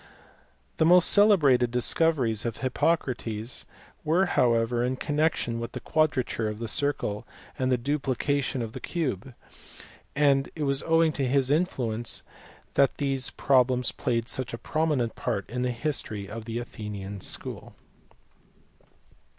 The most celebrated discoveries of Hippocrates were how ever in connection with the quadrature of the circle and the duplication of the cube, and it was owing to his influence that these problems played such a prominent part in the history of the Athenian school.